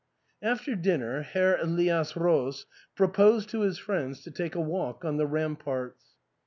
After dinner Herr Elias Roos proposed to his friends to take a walk on the ramparts.